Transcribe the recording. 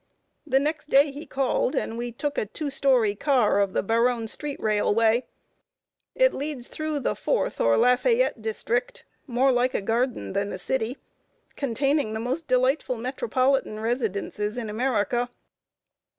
The next day he called, and we took a two story car of the Baronne street railway. It leads through the Fourth or Lafayette District more like a garden than a city containing the most delightful metropolitan residences in America.